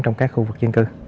trong các khu vực dân cư